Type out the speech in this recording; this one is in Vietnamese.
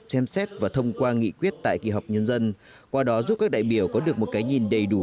xem xét và thông qua nghị quyết tại kỳ họp nhân dân qua đó giúp các đại biểu có được một cái nhìn đầy đủ